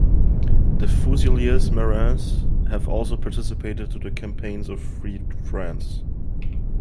The Fusiliers Marins have also participated to the campaigns of Free France.